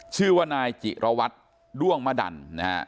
ชื่อว่านายจิระวัตรด้วงมะดันนะฮะ